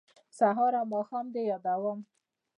سهار او ماښام دې یادوم